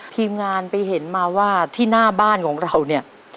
ทีมงานไปเห็นมาว่าที่หน้าบ้านของเราเนี่ย